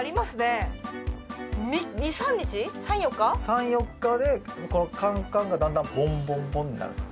３４日でこのカンカンがだんだんボンボンボンになるんだって。